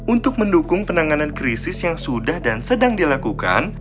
untuk mendukung penanganan krisis yang sudah dan sedang dilakukan